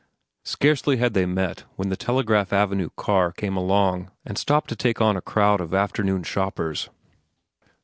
Scarcely had they met when the Telegraph Avenue car came along and stopped to take on a crowd of afternoon shoppers.